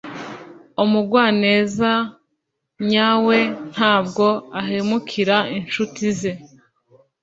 Umugwaneza nyawe ntabwo ahemukira inshuti ze.